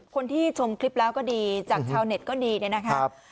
คนที่ชมคลิปแล้วก็ดีจากชาวเน็ตก็ดีเนี่ยนะครับ